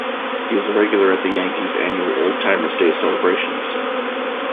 He is a regular at the Yankees' annual Old-Timers' Day celebrations.